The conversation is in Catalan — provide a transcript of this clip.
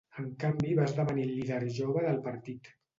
En canvi, va esdevenir el líder jove del partit.